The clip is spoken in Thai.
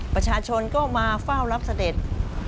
ประชาชนก็มาเฝ้ารับเสด็จ